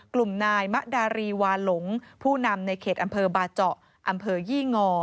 กลุ่มนายมะดารีบาหลงผู้นำในเขตอำเภอบาเจาะอำเภอยี่งอ